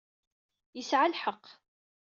Yesɛa lḥeqq.